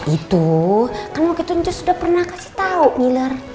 itu kan waktu itu encik sudah pernah kasih tau ngiler